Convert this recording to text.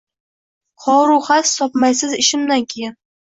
Xoru xas topmaysiz ishimdan keyin